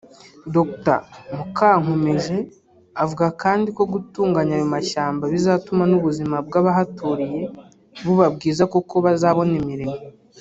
Dr Mukankomeje avuga kandi ko gutunganya ayo mashyamba bizatuma n’ubuzima bw’abahaturiye buba bwiza kuko bazanabona imirimo